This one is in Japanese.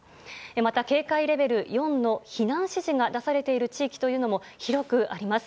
また、警戒レベル４の避難指示が出されている地域も広くあります。